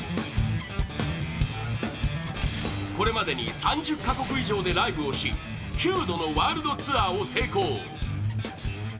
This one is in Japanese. これまでに３０か国以上でライブをし９度のワールドツアーを成功